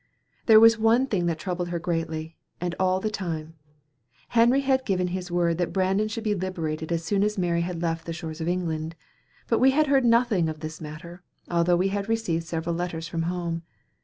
There was one thing that troubled her greatly, and all the time. Henry had given his word that Brandon should be liberated as soon as Mary had left the shores of England, but we had heard nothing of this matter, although we had received several letters from home.